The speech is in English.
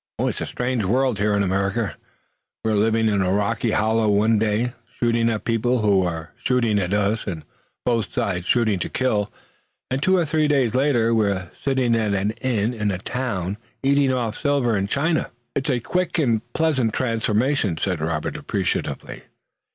"It's a strange world here in America. We're lying in a rocky hollow one day, shooting at people who are shooting at us, and both sides shooting to kill, and two or three days later we're sitting at an inn in a town, eating off silver and china." "It's a quick and pleasant transformation," said Robert, appreciatively.